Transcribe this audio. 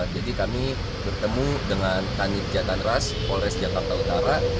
jadi kami bertemu dengan tanit jatat ras polres jatat tautara